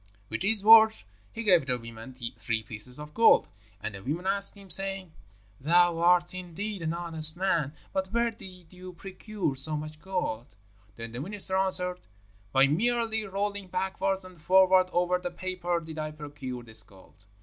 With these words he gave the women three pieces of gold; and the women asked him, saying, 'Thou art, indeed, an honest man, but where did you procure so much gold?' Then the minister answered, 'By merely rolling backwards and forwards over this paper did I procure this gold.'